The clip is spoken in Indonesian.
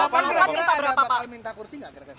kalau pak minta berapa pak